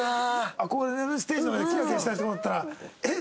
憧れてるステージの上でキラキラしてる人だと思ったらえっ！